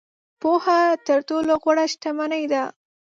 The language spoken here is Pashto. • پوهه تر ټولو غوره شتمني ده.